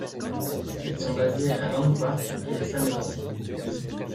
Elles sont basées à Landquart et à Samedan.